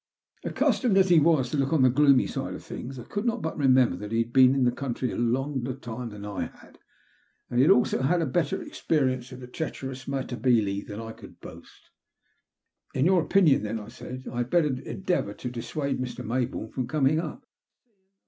Accustomed as he was to look on the gloomy side of things, I could not but remember that he had been in the country a longer time than I had, and that he had also had a better experience of the treacherous Matabele than I could boast. 286 THB LUST OF HATE. "In your opinion, then," I said, "I had better endeavour to dissuade Mr. Mayboome from eoming up?"